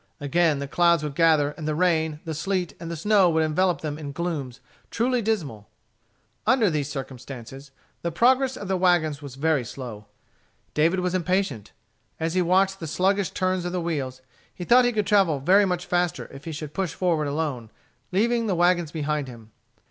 Again the clouds would gather, and the rain, the sleet, and the snow would envelop them in glooms truly dismal. Under these circumstances the progress of the wagons was very slow. David was impatient. As he watched the sluggish turns of the wheels, he thought that he could travel very much faster if he should push forward alone, leaving the wagons behind him.